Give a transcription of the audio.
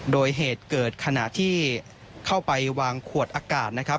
โดยเหตุเกิดขณะที่เข้าไปวางขวดอากาศนะครับ